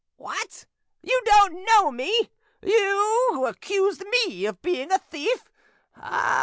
"What!—you don't know me! You who accused me of being a thief!